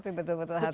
tapi betul betul hati